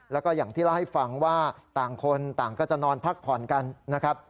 แล้วก็อย่างที่เล่าให้ฟังว่าต่างคนต่างก็จะนอนพักผ่อนกันนะครับ